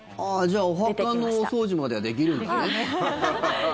じゃあお墓のお掃除まではできるんだね。